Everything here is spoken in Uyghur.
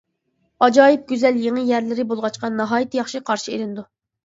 ئاجايىپ گۈزەل، يېڭى يەرلىرى بولغاچقا ناھايىتى ياخشى قارىشى ئېلىنىدۇ.